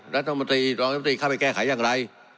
รัฐมนตรีรองรัฐมนตรีเข้าไปแก้ไขอย่างไร